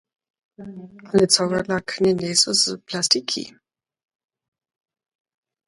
Ale cogodla kónje njejsu z plastiki?